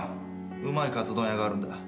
うまいかつ丼屋があるんだ。